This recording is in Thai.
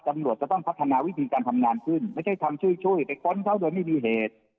ตำรวจก็ต้องพัฒนาวิธีการทำงานขึ้นไม่ใช่ทำช่วยไปค้นเขาโดยไม่มีเหตุ